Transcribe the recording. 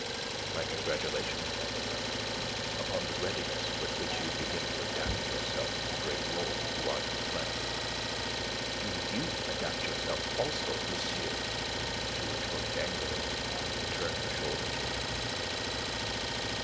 "My congratulations, mademoiselle, upon the readiness with which you begin to adapt yourself to the great role you are to play." "Do you adapt yourself also, monsieur," she retorted angrily, and turned her shoulder to him.